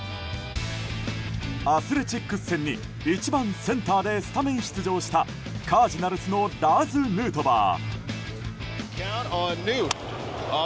アスレチックス戦に１番センターでスタメン出場したカージナルスのラーズ・ヌートバー。